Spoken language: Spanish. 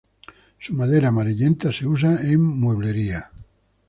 Su madera amarillenta se usa en mueblería.